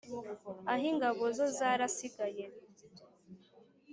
ah'ingabo zo zarasigaye